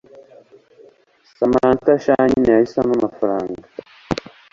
Samantha sha nyine yahise ampa amafaranga